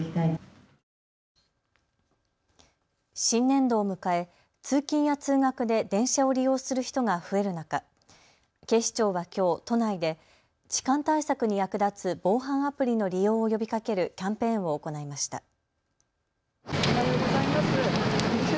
新年度を迎え通勤や通学で電車を利用する人が増える中、警視庁はきょう都内で痴漢対策に役立つ防犯アプリの利用を呼びかけるキャンペーンを行いました。